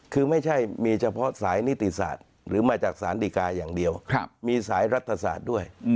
คือไม่ใช่มีเฉพาะสายนิติศาสตร์หรือมาจากสารดีกาอย่างเดียวมีสายรัฐศาสตร์ด้วย